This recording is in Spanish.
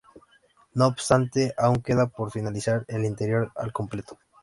No obstante, aún queda por finalizar el interior al completo.